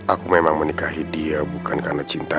aku memang menikahi dia bukan karena cinta